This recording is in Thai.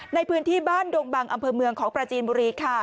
ในพื้นที่บ้านดงบังอำเภอเมืองของปราจีนบุรีค่ะ